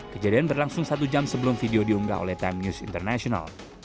kejadian berlangsung satu jam sebelum video diunggah oleh time news international